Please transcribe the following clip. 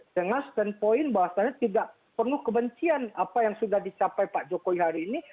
dengan standpoint bahwasannya tidak perlu kebencian apa yang sudah dicapai pak jokowi hari ini